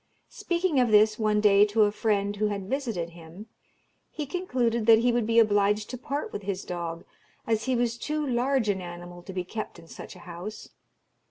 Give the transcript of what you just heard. Speaking of this, one day, to a friend who had visited him, he concluded that he would be obliged to part with his dog, as he was too large an animal to be kept in such a house.